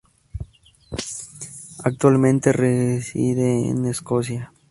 Actualmente reside en Escocia.